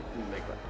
ya baik pak